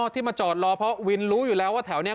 ที่มาจอดรอเพราะวินรู้อยู่แล้วว่าแถวนี้